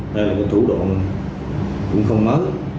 đây là một thủ độn cũng không mớ